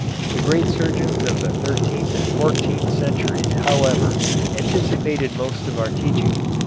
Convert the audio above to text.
The great surgeons of the thirteenth and fourteenth centuries, however, anticipated most of our teaching.